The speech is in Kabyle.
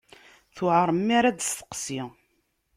Tewɛer mi ara d-testeqsi.